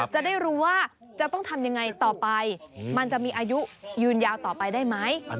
จะได้รู้ว่าจะต้องทำยังไงต่อไปมันจะมีอายุยืนยาวต่อไปได้ไหม